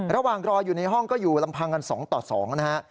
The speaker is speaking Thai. ระหว่างรออยู่ในห้องก็อยู่ลำพังกัน๒ต่อ๒นะฮะ